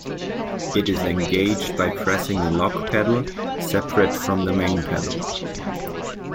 It is engaged by pressing a lock pedal separate from the main pedal.